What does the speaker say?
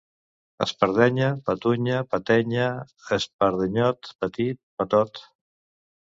Espardenya, patunya, patenya, espardenyot, petit, petot